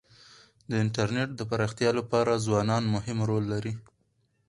د انټرنېټ د پراختیا لپاره ځوانان مهم رول لري.